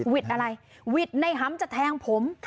วิทย์อะไรหวิดในหำจะแทงผม